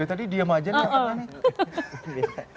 dari tadi diam aja nih